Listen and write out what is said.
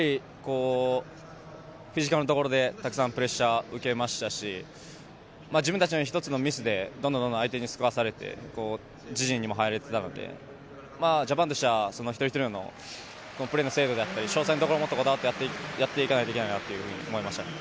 フィジカルのところで、たくさんプレッシャーを受けましたし、自分たちの１つのミスでどんどん相手にスクラムされて自陣にも入られたので、ジャパンとしては一人一人のプレーの精度であったり、詳細なところをやっていかないといけないなと思いました。